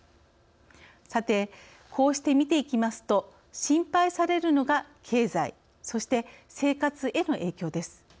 さてこうして見ていきますと心配されるのが経済そして生活への影響です。